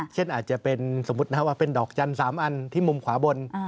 เช่นอาจจะเป็นสมมุติว่าเป็นดอกจันทร์๓อันที่มุมขวาบน